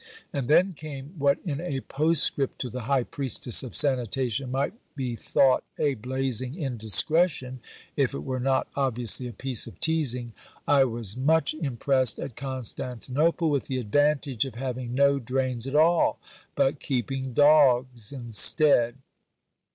And then came what in a postscript to the High Priestess of sanitation might be thought a "blazing indiscretion," if it were not obviously a piece of teasing: "I was much impressed at Constantinople with the advantage of having no drains at all, but keeping dogs instead."